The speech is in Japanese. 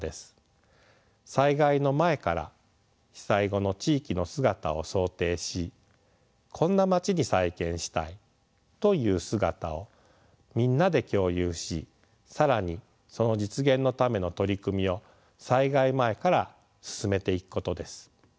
災害の前から被災後の地域の姿を想定しこんなまちに再建したいという姿をみんなで共有し更にその実現のための取り組みを災害前から進めていくことです。